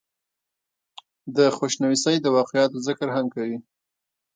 دَخوشنويسۍ دَواقعاتو ذکر هم کوي ۔